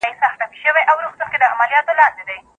ولي مدام هڅاند د مخکښ سړي په پرتله برخلیک بدلوي؟